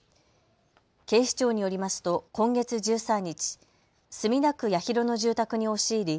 警視庁によりますと、今月１３日、墨田区八広の住宅に押し入り